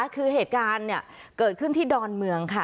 คือเหตุการณ์เกิดขึ้นที่ดอนเมืองค่ะ